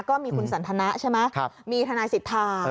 ก็มีคุณสันธนะใช่ไหมมีธนาศิษฐา